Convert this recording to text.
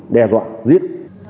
đe dọa giết